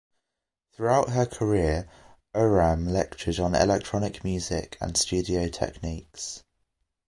Throughout her career, Oram lectured on electronic music and studio techniques.